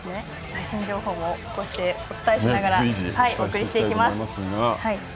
最新情報も随時お伝えしながらお送りします。